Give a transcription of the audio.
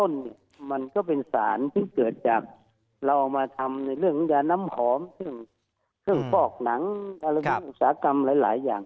ในเรื่องเรื่องแย่นำหอมเครื่องบอกหนังอุตสาหกรรมหลายอย่าง